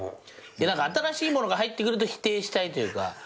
新しいものが入ってくると否定したいというか。